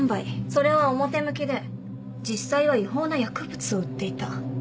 それは表向きで実際は違法な薬物を売っていた。